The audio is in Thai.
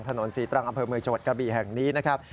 ถนน๔ตรังอเมืองจังหวัดกะบี่แห่งนี้นะครับ